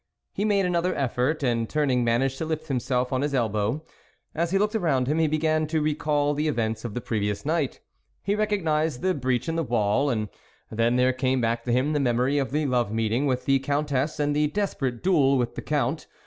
He made another effort, and turn ing managed to lift himself on his elbow. As he looked around him, he began to re call the events of the previous night ; he recognised the breach in the wall ; and then there came back to him the memory of the love meeting with the Countess and the desperate duel with the Count.